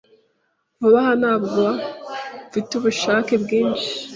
Vuba aha, ntabwo mfite ubushake bwinshi.